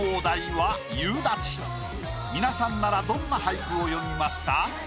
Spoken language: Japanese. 皆さんならどんな俳句を詠みますか？